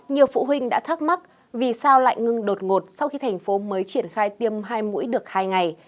nhiều phụ huynh đã thắc mắc vì sao lại ngưng đột ngột sau khi thành phố mới triển khai tiêm hai mũi được hai ngày